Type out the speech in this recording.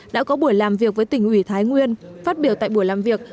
đã có buổi làm việc với tỉnh ủy thái nguyên phát biểu tại buổi làm việc